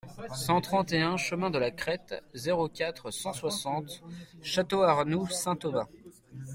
cent trente et un chemin de la Crête, zéro quatre, cent soixante, Château-Arnoux-Saint-Auban